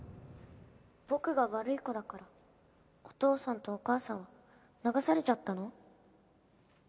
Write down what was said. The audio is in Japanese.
僕が悪い子だからお父さんとお母さんは流されちゃったの？